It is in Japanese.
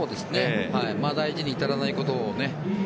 大事に至らないことを。